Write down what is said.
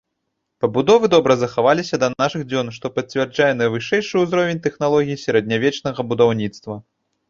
Пабудовы добра захаваліся да нашых дзён, што пацвярджае найвышэйшы ўзровень тэхналогій сярэднявечнага будаўніцтва.